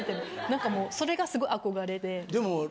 何かもうそれがすごい憧れで。